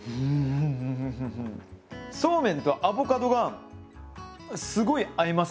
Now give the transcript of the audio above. そうめんとアボカドがすごい合います。